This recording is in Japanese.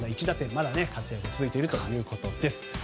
まだ活躍が続いているということです。